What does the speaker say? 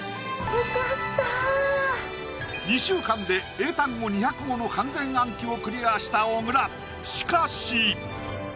２週間で英単語２００語の完全暗記をクリアした小倉しかし！